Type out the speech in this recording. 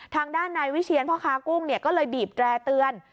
ทางด้านนายวิเชียนพ่อค้ากุ้งก็เลยบีบแตร่เตือน